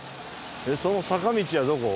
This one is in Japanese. その坂道はどこ？